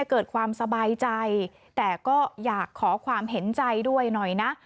เกิดความสบายใจแต่ก็อยากขอความเห็นใจด้วยหน่อยนะ